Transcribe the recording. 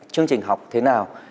chương trình học thế nào